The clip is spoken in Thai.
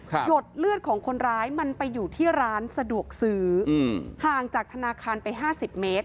หยดเลือดของคนร้ายมันไปอยู่ที่ร้านสะดวกซื้ออืมห่างจากธนาคารไปห้าสิบเมตร